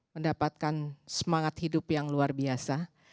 mendapatkan semangat hidup yang luar biasa